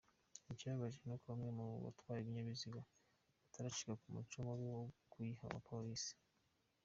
Ikibabaje ni uko bamwe mu batwara ibinyabiziga bataracika ku muco mubi wo kuyiha abapolisi.